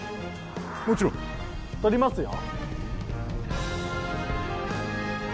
もちろん。取りますよ？